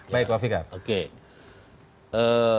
baik pak fikar oke